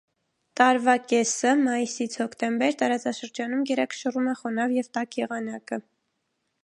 Տարվա կեսը (մայիսից հոկտեմբեր) տարածաշրջանում գերակշռում է խոնավ և տաք եղանակը։